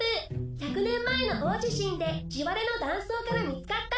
１００年前の大地震で地割れの断層から見つかった。